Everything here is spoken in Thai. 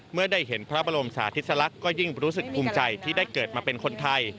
เมื่อได้เห็นพระบรมสาธิสลักษณ์ก็ยิ่งรู้สึกภูมิใจที่ได้เกิดมาเป็นคนไทย